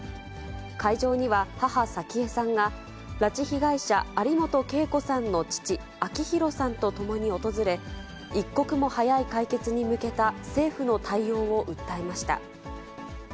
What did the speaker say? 会場には、母、早紀江さんが、拉致被害者、有本恵子さんの父、明弘さんと共に訪れ、一刻も早い解決に向けた政府の対応を訴えました。